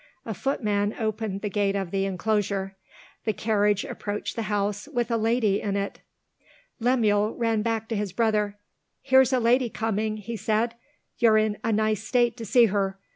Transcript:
A footman opened the gate of the enclosure. The carriage approached the house, with a lady in it. Lemuel ran back to his brother. "Here's a lady coming!" he said. "You're in a nice state to see her!